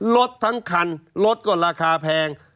รถทั้งคันรถก็ราคาแพง